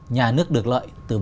nhà nước được lợi